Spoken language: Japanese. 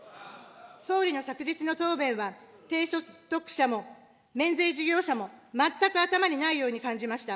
総理の昨日の答弁は低所得者も免税事業者も、全く頭にないように感じました。